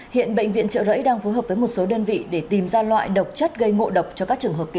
hiện bệnh viện trợ rẫy đang phối hợp với một số đơn vị để tìm ra loại độc chất gây ngộ độc cho các trường hợp kỳ